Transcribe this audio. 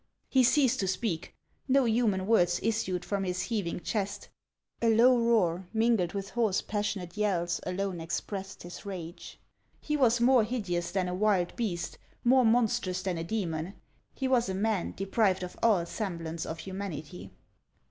He ceased to speak ; no human words issued from his heaving chest ; a low roar mingled with hoarse, passionate yells alone expressed his rage. He was more hideous than a wild beast, more monstrous than a demon ; he was a man deprived of all semblance of humanity.